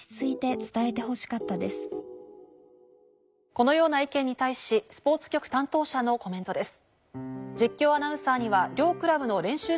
このような意見に対しスポーツ局担当者のコメントです。